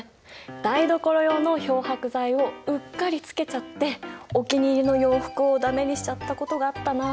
台所用の漂白剤をうっかりつけちゃってお気に入りの洋服を駄目にしちゃったことがあったなあ。